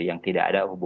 yang tidak ada